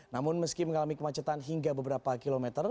namun meski mengalami kemacetan hingga beberapa kilometer